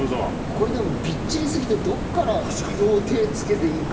これでもびっちりすぎてどこからどう手ぇつけていいか。